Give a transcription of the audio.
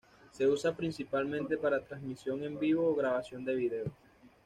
Se usa principalmente para transmisión en vivo o grabación de video.